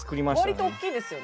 わりと大きいですよね。